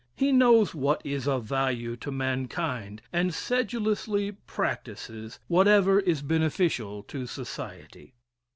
He knows what is of value to mankind, and sedulously practices whatever is beneficial to society.